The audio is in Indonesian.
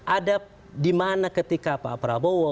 ada dimana ketika pak prabowo